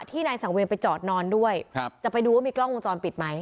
นายสังเวนไปจอดนอนด้วยครับจะไปดูว่ามีกล้องวงจรปิดไหม